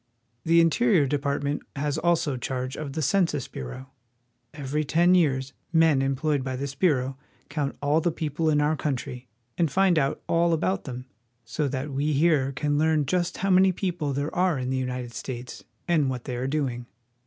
The Interior Department has also charge of the Census Bureau. Every ten years men employed by this bureau count all the people in our country, and find out all about them, so that we here can learn just how many people there are in the United States and what they are doing.